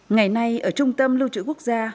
ngày nay ở trung tâm lưu trữ quốc gia